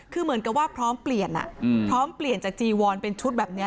คือเหมือนกับว่าผลอืมพร้อมเปลี่ยนจากจีวอลเป็นชุดแบบเนี้ย